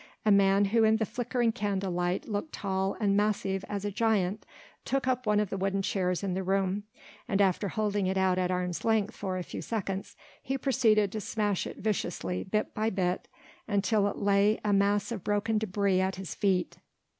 A man who in the flickering candle light looked tall and massive as a giant took up one of the wooden chairs in the room, and after holding it out at arm's length for a few seconds, he proceeded to smash it viciously bit by bit until it lay a mass of broken débris at his feet.